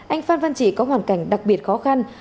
anh phan văn trị có hoàn cảnh đặc biệt khó khăn